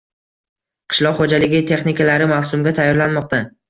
Qishloq xo‘jaligi texnikalari mavsumga tayyorlanmoqda